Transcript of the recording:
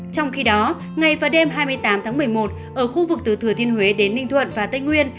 trong khi đó ngày và đêm hai mươi tám tháng một mươi một ở khu vực từ thừa thiên huế đến ninh thuận và tây nguyên